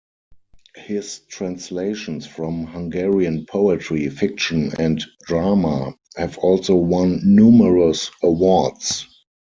His translations from Hungarian poetry, fiction and drama have also won numerous awards.